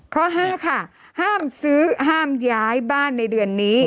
ข้อห้าค่ะห้ามซื้อห้ามย้ายบ้านในเดือนนี้